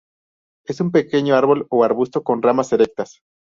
Es un pequeño árbol o arbusto con ramas erectas.